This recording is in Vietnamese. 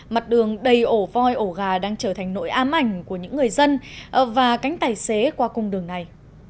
mặt đường đầy ổ voi ổ gà đang trở thành nỗi ám ảnh của những người dân và cánh tài xế qua cung đường này